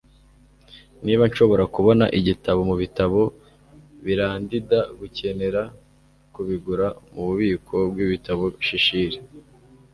Niba nshobora kubona igitabo mubitabo birandinda gukenera kubigura mububiko bwibitabo Shishir